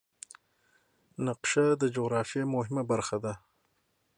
نقشه د جغرافیې مهمه برخه ده.